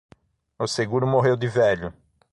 O seguro morreu de velho